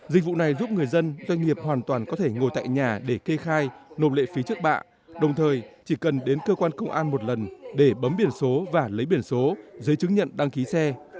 dịch vụ này giúp người dân doanh nghiệp hoàn toàn có thể ngồi tại nhà để kê khai nộp lệ phí trước bạ đồng thời chỉ cần đến cơ quan công an một lần để bấm biển số và lấy biển số giấy chứng nhận đăng ký xe